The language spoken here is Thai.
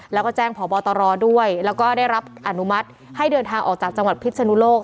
แล้วก็แจ้งพบตรด้วยแล้วก็ได้รับอนุมัติให้เดินทางออกจากจังหวัดพิษนุโลก